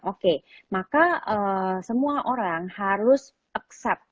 oke maka semua orang harus accept